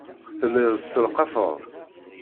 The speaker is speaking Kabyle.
Telliḍ tesselqafeḍ.